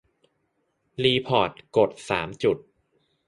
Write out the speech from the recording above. รีพอร์ต : กดปุ่มสามจุด